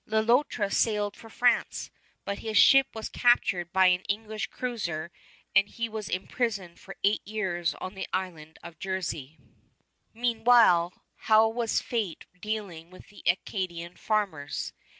Le Loutre sailed for France, but his ship was captured by an English cruiser and he was imprisoned for eight years on the island of Jersey. [Illustration: GENERAL MONCKTON] Meanwhile, how was fate dealing with the Acadian farmers?